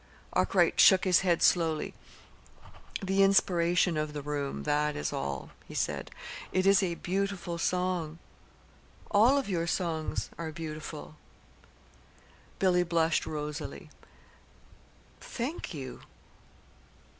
Arkwright shook his head slowly. "The inspiration of the room that is all,", he said. "It is a beautiful song. All of your songs are beautiful." Billy blushed rosily. "Thank you.